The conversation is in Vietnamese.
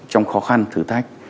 trong khó khăn thử thách